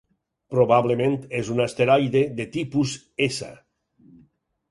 Probablement és un asteroide de tipus S.